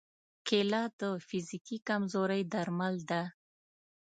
کېله د فزیکي کمزورۍ درمل ده.